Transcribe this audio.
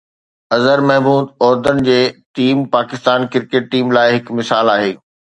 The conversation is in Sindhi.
اظهر محمود عورتن جي ٽيم پاڪستان ڪرڪيٽ ٽيم لاءِ هڪ مثال آهي